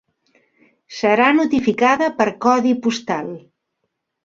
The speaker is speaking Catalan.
Serà notificada per codi postal.